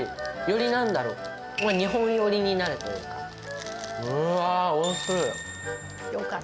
より、なんだろう、日本寄りになるというか。